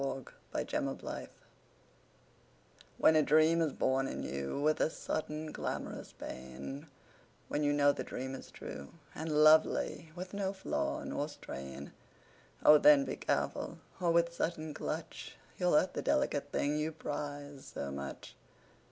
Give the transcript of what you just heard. Y Z A Pinch of Salt WHEN a dream is born in you With a sudden clamorous pain, When you know the dream is true And lovely, with no flaw nor strain, O then, be careful, or with sudden clutch You'll hurt the delicate thing you prize so much.